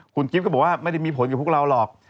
คุณกิฟต์ก็บอกว่าไม่ได้มีผลกับพวกเราหรอก